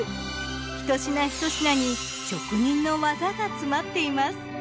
ひと品ひと品に職人の技が詰まっています。